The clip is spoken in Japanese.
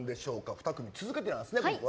２組続きでなんですね。